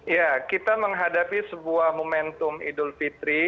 ya kita menghadapi sebuah momentum idul fitri